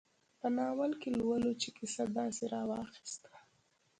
په ناول کې لولو چې کیسه داسې راواخیسته.